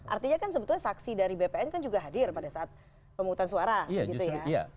artinya kan sebetulnya saksi dari bpn kan juga hadir pada saat pemungutan suara begitu ya